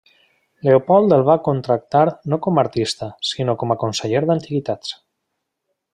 Leopold el va contractar no com a artista, sinó com a conseller d'antiguitats.